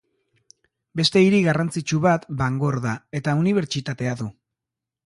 Beste hiri garrantzitsu bat Bangor da, eta unibertsitatea du.